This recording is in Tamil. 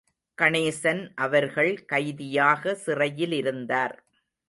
கணேசன் அவர்கள் கைதியாக சிறையிலிருந்தார்.